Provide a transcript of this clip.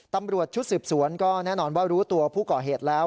ตำรวจชุดสืบสวนก็แน่นอนว่ารู้ตัวผู้ก่อเหตุแล้ว